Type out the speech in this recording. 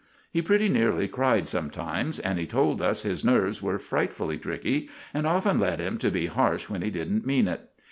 He pretty nearly cried sometimes, and he told us his nerves were frightfully tricky, and often led him to be harsh when he didn't mean it.